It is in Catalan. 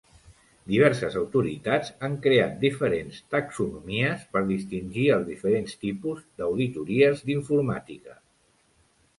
Diverses autoritats han creat diferents taxonomies per distingir els diferents tipus d'auditories d'informàtica.